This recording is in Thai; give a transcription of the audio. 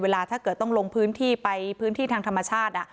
ถ้าเกิดต้องลงพื้นที่ไปพื้นที่ทางธรรมชาติ